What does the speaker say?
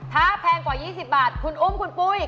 ถ้าแพงกว่า๒๐บาทคุณอุ้มคุณปุ้ย